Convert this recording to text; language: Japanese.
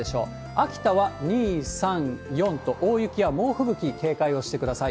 秋田は２、３、４と大雪や猛吹雪に警戒をしてください。